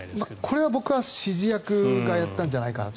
これは僕は指示役がやったんじゃないかなと。